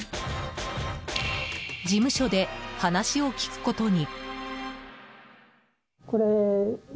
事務所で話を聞くことに。